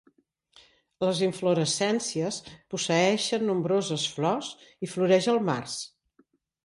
Les inflorescències posseeixen nombroses flors i floreix al març.